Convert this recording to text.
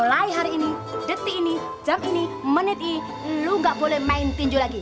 mulai hari ini detik ini jam ini menit ini lu gak boleh main tinju lagi